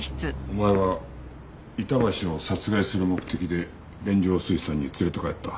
お前は板橋を殺害する目的で連城水産に連れて帰った。